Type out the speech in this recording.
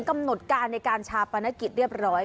กำหนดการในการชาปนกิจเรียบร้อย